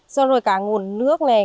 xong rồi cả nguồn nước này